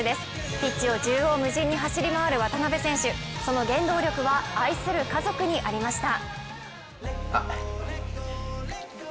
ピッチを縦横無尽に走り回る渡辺選手、その原動力は愛する家族にありました。